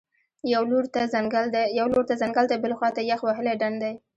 یوه لور ته ځنګل دی، بلې خوا ته یخ وهلی ډنډ دی